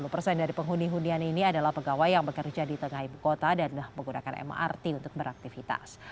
lima puluh persen dari penghuni hunian ini adalah pegawai yang bekerja di tengah ibu kota dan menggunakan mrt untuk beraktivitas